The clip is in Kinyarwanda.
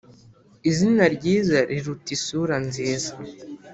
izina ryiza riruta isura nziza